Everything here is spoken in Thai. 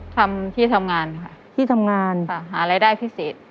ทำที่ทำงานค่ะที่ทำงานหารายได้พิเศษ